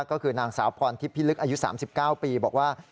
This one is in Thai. ก็คือนางสาวพรทิพิลึกอายุ๓๙ปีบอกว่า